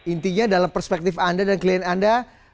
intinya dalam perspektif anda dan klien anda